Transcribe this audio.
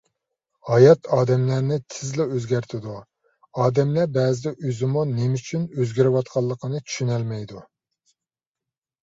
ھايات ئادەملەرنى تېزلا ئۆزگەرتىدۇ، ئادەملەر بەزىدە ئۆزىمۇ نېمە ئۈچۈن ئۆزگىرىۋاتقانلىقىنى چۈشىنەلمەيدۇ.